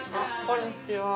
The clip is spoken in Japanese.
こんにちは。